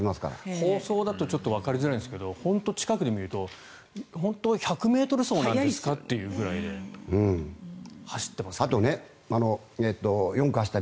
放送だとちょっとわかりづらいんですが本当に近くで見ると１００ｍ走なんですか？というぐらいで走ってますから。